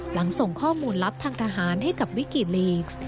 หลังส่งข้อมูลลับทางทหารให้กับวิกิลีกส์